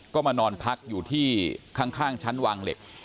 ก็มานอนพักอยู่ที่ข้างชั้นวางเหล็ก